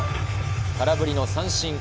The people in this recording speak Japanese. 空振りの三振。